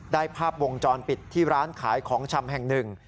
ภาพวงจรปิดที่ร้านขายของชำแห่งหนึ่ง